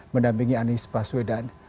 mendampingi anies paswedan